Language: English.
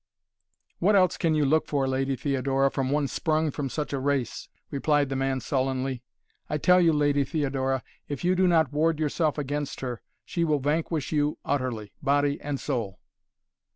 "What else can you look for, Lady Theodora, from one sprung from such a race?" replied the man sullenly. "I tell you, Lady Theodora, if you do not ward yourself against her, she will vanquish you utterly, body and soul."